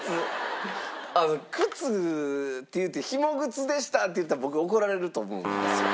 靴って言って紐靴でしたって言ったら僕怒られると思うんですよ。